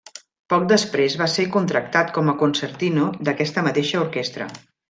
Poc després va ser contractat com a concertino d’aquesta mateixa orquestra.